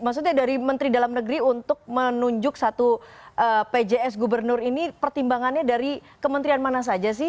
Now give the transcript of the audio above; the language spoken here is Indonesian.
maksudnya dari menteri dalam negeri untuk menunjuk satu pjs gubernur ini pertimbangannya dari kementerian mana saja sih